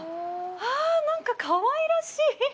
ああ、なんかかわいらしい。